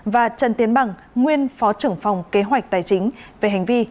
và trần tiến bằng nguyên phó trưởng phòng kế hoạch tài chính về hành vi